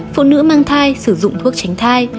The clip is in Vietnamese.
phụ nữ mang thai sử dụng thuốc tránh thai